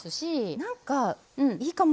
なんかいいかも。